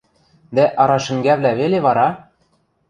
Дӓ арашӹнгӓвлӓ веле вара!